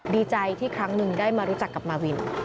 ดีใจที่ครั้งหนึ่งได้มารู้จักกับมาวิน